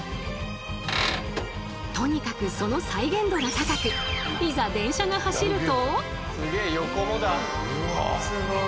とにかくその再現度が高くいざ電車が走ると。